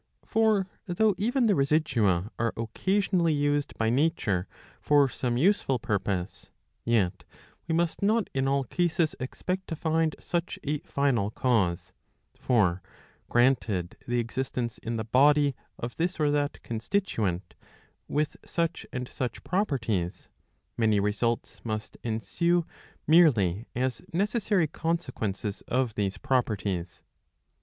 For though even the residua are occa sionally used ^^ by nature for some useful purpose, ye^ we must not in all cases expect to find such a final cause ; for granted the existence in the body of this oi« that constituent, with such and such properties, many results must ensue merely as necessary consequences of these properties.